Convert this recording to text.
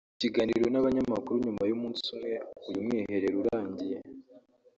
mu kiganiro n’abanyamakuru nyuma y’umunsi umwe uyu mwiherero urangiye